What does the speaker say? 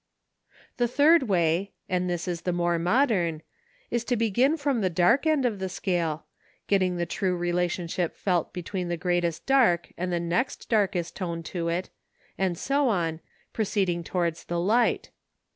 The third way, and this is the more modern, is to begin from the dark end of the scale, getting the true relationship felt between the greatest dark and the next darkest tone to it, and so on, proceeding towards the light.